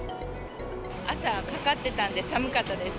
朝、かかってたんで、寒かったです。